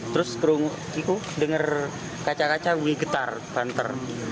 terus dengar kaca kaca wih getar banter